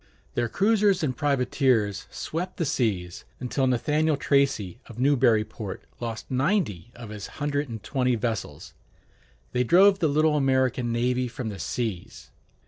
Their cruisers and privateers swept the seas, until Nathaniel Tracy of Newburyport lost ninety of his hundred and twenty vessels. They drove the little American navy from the seas.